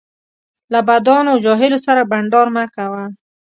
له بدانو او جاهلو سره بنډار مه کوه